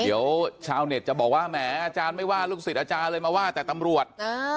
เดี๋ยวชาวเน็ตจะบอกว่าแหมอาจารย์ไม่ว่าลูกศิษย์อาจารย์เลยมาว่าแต่ตำรวจ